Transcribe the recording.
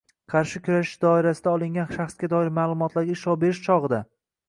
qarshi kurashish doirasida olingan shaxsga doir ma’lumotlarga ishlov berish chog‘ida